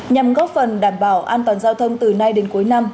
nhằm góp phần đảm bảo an toàn giao thông từ nay đến cuối năm